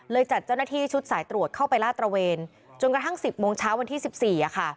จัดเจ้าหน้าที่ชุดสายตรวจเข้าไปลาดตระเวนจนกระทั่ง๑๐โมงเช้าวันที่๑๔ค่ะ